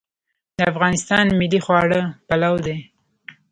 د افغانستان ملي خواړه پلاو دی